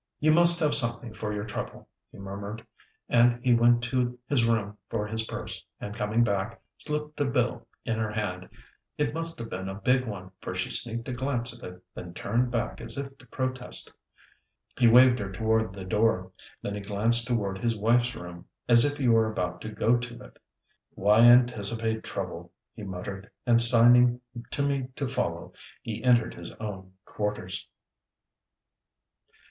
"You must have something for your trouble," he murmured, and he went to his room for his purse, and coming back, slipped a bill in her hand. It must have been a big one, for she sneaked a glance at it, then turned back as if to protest. He waved her toward the door, then he glanced toward his wife's room, as if he were about to go to it. "Why anticipate trouble," he muttered, and signing to me to follow, he entered his own quarters.